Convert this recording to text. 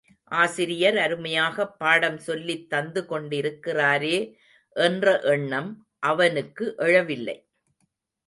ஆசிரியர் அருமையாகப் பாடம் சொல்லித் தந்து கொண்டிருக்கிறாரே என்ற எண்ணம் அவனுக்கு எழவில்லை.